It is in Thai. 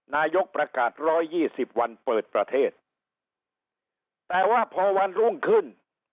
นายกประกาศ๑๒๐วันเปิดประเทศแต่ว่าพอวันรุ่งขึ้น